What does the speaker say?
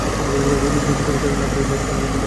যেই চুরি করুক না কেন, সে যেন সালামত থাকে!